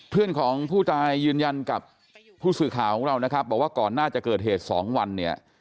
เพื่อนของผู้ตายยืนยันกับผู้สื่อข่าวของเรานะครับบอกว่าก่อนหน้าจะเกิดเหตุ๒วันเนี่ย